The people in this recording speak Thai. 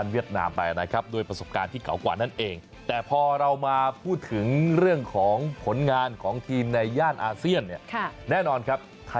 ญี่ปุ่นดีกว่าตรงที่ความเฉียบขาดตามนั่นเอง